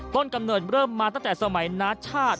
กำเนิดเริ่มมาตั้งแต่สมัยนาชาติ